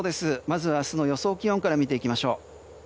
まず明日の予想気温から見ていきましょう。